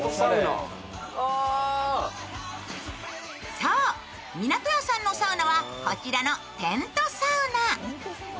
そう、みなとやさんのサウナは、こちらのテントサウナ。